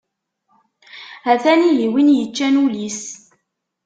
Ha-t-an ihi win yeččan ul-is!